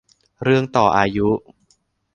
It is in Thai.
เรื่องต่ออายุ